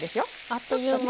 あっという間。